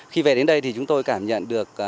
khi về đến đây thì chúng tôi cảm nhận được